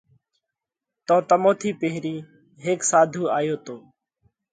تو تمون ٿِي پيرهين ھيڪ ساڌو آيو تو۔